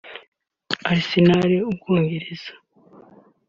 Arsenal (u Bwongereza)